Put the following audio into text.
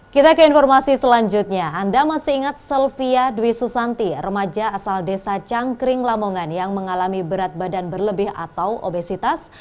kita ke informasi selanjutnya anda masih ingat sylvia dwi susanti remaja asal desa cangkring lamongan yang mengalami berat badan berlebih atau obesitas